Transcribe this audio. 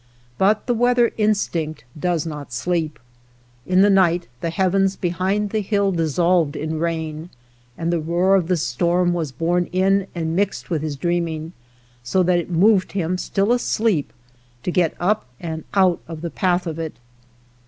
But the weather instinct does not sleep. In the night the heavens behind the hill dissolved in rain, and the roar of the storm was borne in and mixed with his dreaming, so that it moved him, still asleep, to get up and out of the path of it.